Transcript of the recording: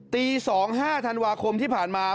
ตี๒๕ธันวาคมที่ผ่านมา